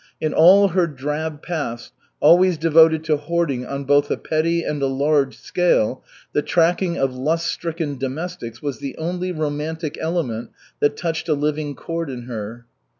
In all her drab past always devoted to hoarding on both a petty and a large scale, the tracking of lust stricken domestics was the only romantic element that touched a living chord in her.